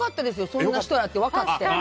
そんな人だって分かって。